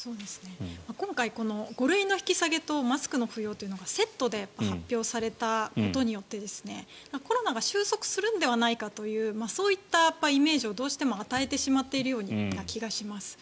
今回、５類の引き下げとマスクの不要がセットで発表されたことによってコロナが収束するんではないかというイメージをどうしても与えてしまっているような気がします。